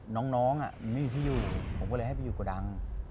น้องไม่มีที่อยู่ผมก็เลยให้ไปอยู่กระดัง